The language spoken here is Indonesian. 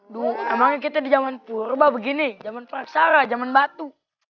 dulu emangnya kita di zaman purba begini zaman praksara zaman batu